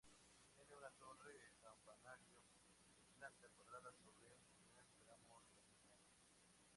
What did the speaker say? Tiene una torre campanario de planta cuadrada sobre el primer tramo de la nave.